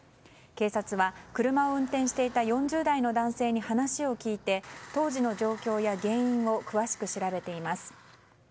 警察は、車を運転していた４０代の男性に話を聞いて当時の状況や原因を詳しく調べています。